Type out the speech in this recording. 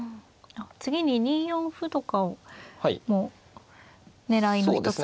次に２四歩とかも狙いの一つになりますか。